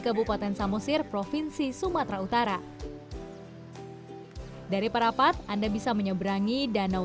kabupaten samosir provinsi sumatera utara dari parapat anda bisa menyeberangi danau